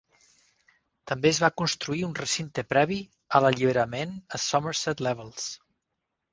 També es va construir un recinte previ a l'alliberament a Somerset Levels.